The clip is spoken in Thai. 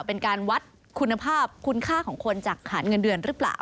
เป็นการวัดคุณภาพคุณค่าของคนจากฐานเงินเดือนหรือเปล่า